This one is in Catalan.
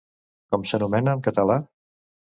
Com s'anomena en català?